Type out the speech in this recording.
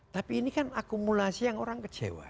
tapi ini kan akumulasi yang orang kecewa